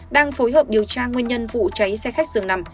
đang phối hợp điều tra nguyên nhân vụ cháy xe khách dường nằm